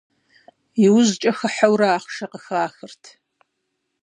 Иужькӏэ хыхьэурэ ахъшэ къыхахырт.